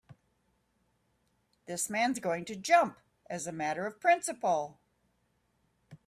This man's going to jump as a matter of principle.